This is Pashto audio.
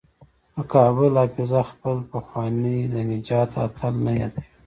د کابل حافظه خپل پخوانی د نجات اتل نه یادوي.